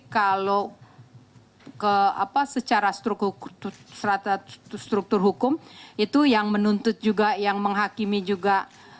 kalau secara struktur hukum itu yang menuntut juga yang menghakimi juga